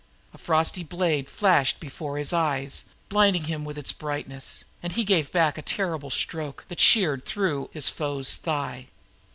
A frosty blade flashed before his eyes, blinding him with its brightness, and he gave back a terrible stroke that sheared through his foe's thigh.